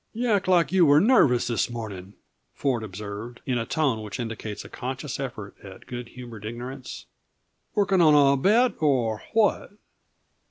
"You act like you were nervous, this morning," Ford observed, in the tone which indicates a conscious effort at good humored ignorance. "Working on a bet, or what?"